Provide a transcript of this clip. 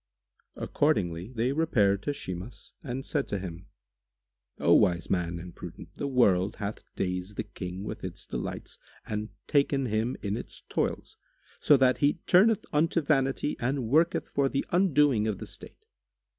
Accordingly, they repaired to Shimas and said to him, "O wise man and prudent, the world hath dazed the King with its delights and taken him in its toils, so that he turneth unto vanity and worketh for the undoing of the state.